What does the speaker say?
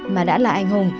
mà đã là anh hùng